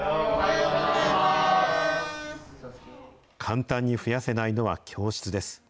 簡単に増やせないのは教室です。